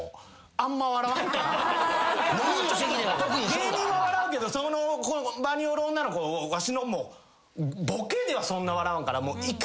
芸人は笑うけどこの場におる女の子わしのボケでは笑わんから。